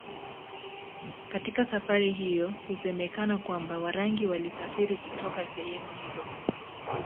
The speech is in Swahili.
Katika safari hiyo husemekana kwamba Warangi walisafiri kutoka sehemu hizo